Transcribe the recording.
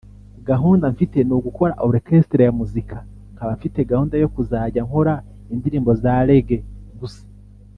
“Gahunda mfite ni ugukora Orchestre ya muzika nkaba mfite gahunda yo kuzajya nkora indirimbo za Raggae gusa